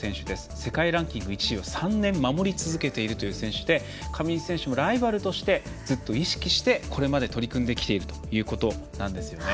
世界ランキング１位を３年守り続けている選手で上地選手もライバルとしてずっと意識してこれまで取り組んできているということなんですよね。